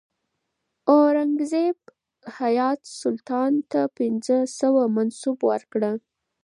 اورنګزیب حیات سلطان ته پنځه سوه منصب ورکړ.